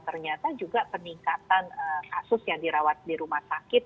ternyata juga peningkatan kasus yang dirawat di rumah sakit